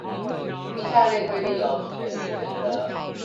依下列規定有權利選擇